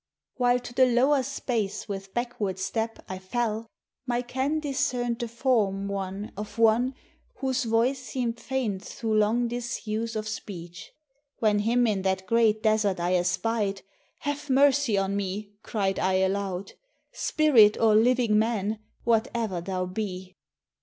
While to the lower space with backward step I fell, my ken discern'd the form one of one, Whose voice seem'd faint through long disuse of speech. When him in that great desert I espied, "Have mercy on me!" cried I out aloud, "Spirit! or living man! what e'er thou be!"